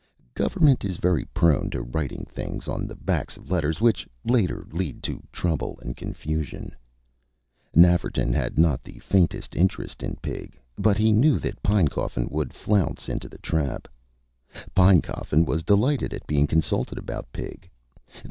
Government is very prone to writing things on the backs of letters which, later, lead to trouble and confusion. Nafferton had not the faintest interest in Pig, but he knew that Pinecoffin would flounce into the trap. Pinecoffin was delighted at being consulted about Pig.